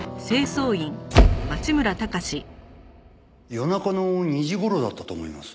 夜中の２時頃だったと思います。